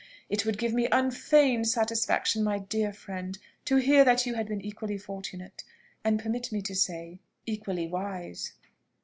It would give me unfeigned satisfaction, my dear friend, to hear that you had been equally fortunate, and, permit me to say, equally wise."